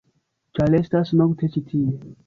-ĉar estas nokte ĉi tie-.